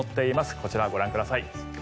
こちら、ご覧ください。